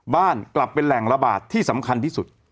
กลับเป็นแหล่งระบาดที่สำคัญที่สุด